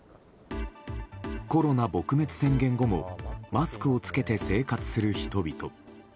コロナ撲滅宣言後もマスクを着けて生活する人々。